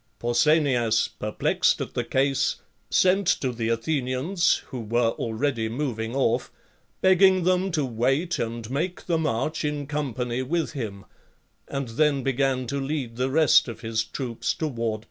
Pausanias, perplexed at the case, sent to the Athe nians, who were already moving off, begging them to wait and make the march, in. company, with him, and. then began to lead the rest of his troops toward.